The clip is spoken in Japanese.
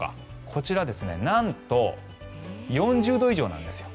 こちら、なんと４０度以上なんですよ。